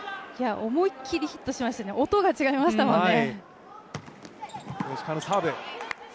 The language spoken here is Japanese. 思い切りヒットしましたね、音が違いましたもんね。